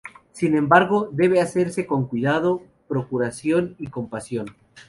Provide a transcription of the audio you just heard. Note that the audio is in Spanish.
Sin embargo debe hacerse con cuidado, preocupación y compasión.